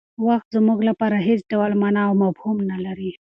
وخت زموږ لپاره هېڅ ډول مانا او مفهوم نه لري.